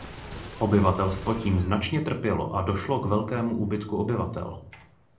Obyvatelstvo tím značně trpělo a došlo k velkému úbytku obyvatel.